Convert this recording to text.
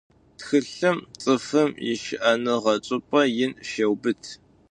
Тхылъым цӏыфым ищыӏэныгъэ чӏыпӏэ ин щеубыты.